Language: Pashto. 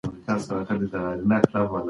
سګرټ او نور نشه يي توکي مه کاروئ.